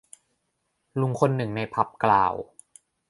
ลุงคนนึงในผับกล่าว